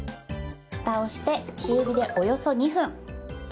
ふたをして中火でおよそ２分。